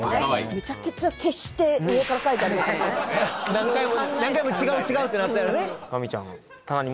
何回も何回も違う違うってなったんやろうねへえ